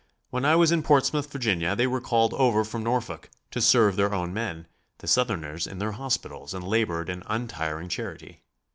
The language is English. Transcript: When I was in Portsmouth, Va., they were called over from Norfolk to serve their own men, the Southerners, in their hospitals and labored in untiring charity.